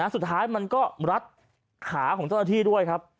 สุดท้ายมันก็รัดขาของเจ้าหน้าที่ด้วยครับ